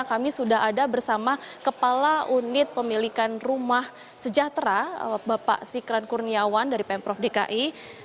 kami sudah ada bersama kepala unit pemilikan rumah sejahtera bapak sikran kurniawan dari pemprov dki